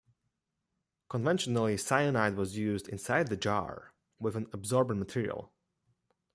Conventionally, cyanide was used inside the jar with an absorbent material.